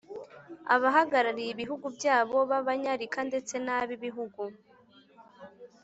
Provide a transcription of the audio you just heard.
abahagarariye ibihugu byabo b'abanyarika ndetse n'ab'ibihugu